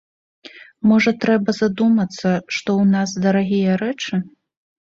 Можа трэба задумацца, што ў нас дарагія рэчы?